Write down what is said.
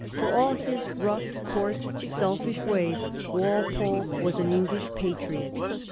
For all his rough, coarse, selfish ways, Walpole was an English patriot.